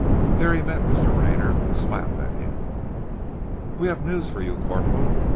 There he met Mr. Rayner, who smiled at him. "We have news for you, Corporal.